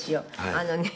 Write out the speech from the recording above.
あのね